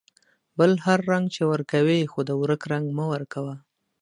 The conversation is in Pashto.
بل هر رنگ چې ورکوې ، خو د ورک رنگ مه ورکوه.